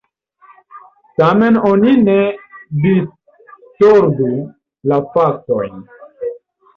Tamen oni ne distordu la faktojn.